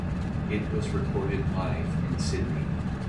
It was recorded live in Sydney.